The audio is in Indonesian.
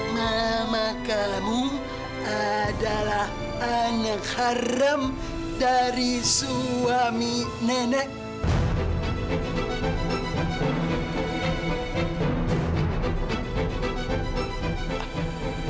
mama kamu adalah anak haram dari suami nenek